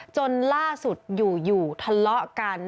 จนล่าสุดอยู่ทะเลาะกัน